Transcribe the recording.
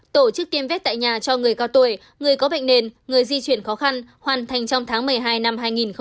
tổ chức tiêm vét tại nhà cho người cao tuổi người có bệnh nền người di chuyển khó khăn hoàn thành trong tháng một mươi hai năm hai nghìn một mươi chín